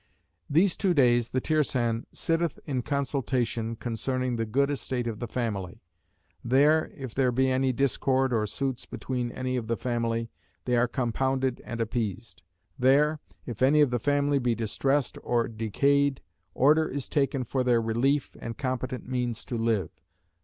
These two days the Tirsan sitteth in consultation concerning the good estate of the family. There, if there be any discord or suits between any of the family, they are compounded and appeased. There, if any of the family be distressed or decayed, order is taken for their relief and competent means to live.